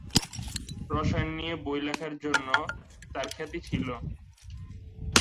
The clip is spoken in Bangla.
রসায়ন নিয়ে বই লেখার জন্য তার খ্যাতি ছিল।